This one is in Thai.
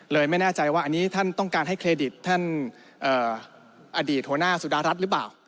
ไม่แน่ใจว่าอันนี้ท่านต้องการให้เครดิตท่านอดีตหัวหน้าสุดารัฐหรือเปล่า